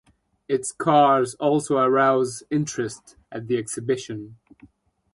Its cars also arouse interest at the exhibition.